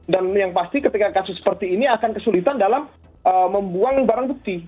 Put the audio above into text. dan yang pasti ketika kasus seperti ini akan kesulitan dalam membuang barang bukti